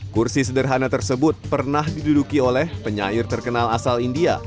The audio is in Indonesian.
kursi sederhana tersebut pernah diduduki oleh penyair terkenal asal india